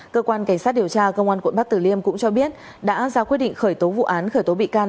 cơ quan cảnh sát điều tra công an quận bắc tử liêm cũng cho biết đã ra quyết định khởi tố vụ án khởi tố bị can